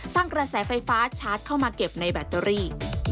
กระแสไฟฟ้าชาร์จเข้ามาเก็บในแบตเตอรี่